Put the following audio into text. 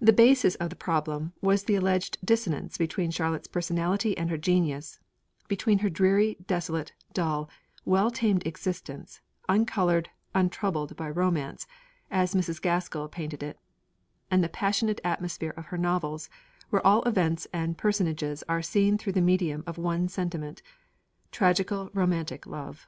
The basis of the 'Problem' was the alleged 'dissonance' between Charlotte's personality and her genius between her dreary, desolate, dull, well tamed existence, uncoloured, untroubled by romance (as Mrs. Gaskell painted it), and the passionate atmosphere of her novels, where all events and personages are seen through the medium of one sentiment tragical romantic love.